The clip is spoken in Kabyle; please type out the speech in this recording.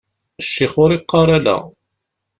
Ccix ur iqqaṛ: ala.